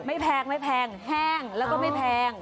แพงไม่แพงแห้งแล้วก็ไม่แพง